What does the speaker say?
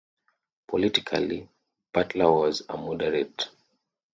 Politically, Butler was a moderate.